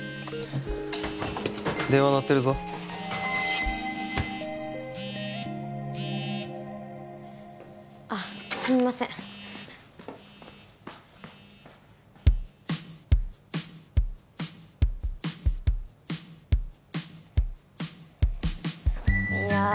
電話鳴ってるぞあすみませんいや